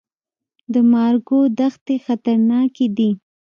د مارګو دښتې خطرناکې دي؟